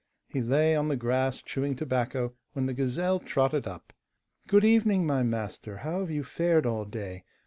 He lay on the grass chewing tobacco, when the gazelle trotted up. 'Good evening, my master; how have you fared all day?